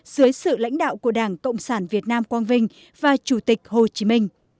dưới sự lãnh đạo của đảng cộng sản việt nam quang vinh và chủ tịch hồ chí minh